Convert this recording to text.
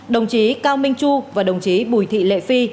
đồng chí cao minh chu và đồng chí bùi thị lệ phi